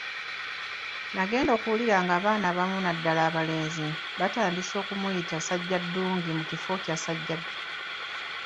Nagenda okuwulira ng’abaana abamu naddala balenzi batandise okumuyita Ssajjaddungi mu kifo kya Ssajjabbi.